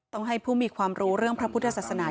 ต้องให้ผู้มีความรู้เรื่องพระพุทธศาสนา